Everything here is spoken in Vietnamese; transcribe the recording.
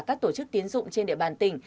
các tổ chức tiến dụng trên địa bàn tỉnh